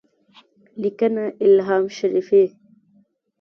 لیکنه الهام شریفي